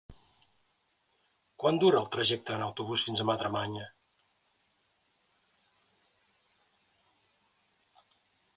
Quant dura el trajecte en autobús fins a Madremanya?